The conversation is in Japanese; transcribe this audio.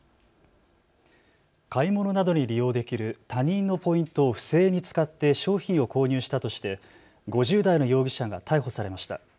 買い物などに利用できる他人のポイントを不正に使って商品を購入したとして５０代の容疑者が逮捕されました。